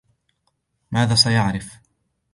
ماذا سيعرف ؟